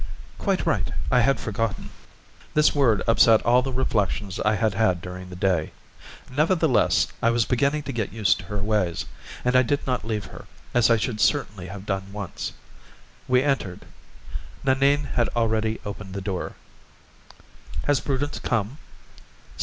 "Quite right. I had forgotten." This word upset all the reflections I had had during the day. Nevertheless, I was beginning to get used to her ways, and I did not leave her, as I should certainly have done once. We entered. Nanine had already opened the door. "Has Prudence come?"